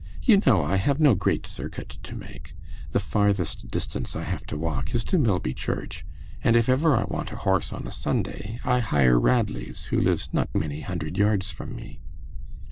You know I have no great circuit to make. The farthest distance I have to walk is to Milby Church, and if ever I want a horse on a Sunday, I hire Radley's, who lives not many hundred yards from me.